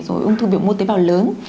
rồi ung thư biểu mô tế bào lớn